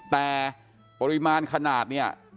แต่ปริมาณขนาดเนี่ย